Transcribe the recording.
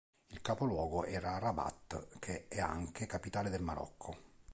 Il capoluogo era Rabat, che è anche capitale del Marocco.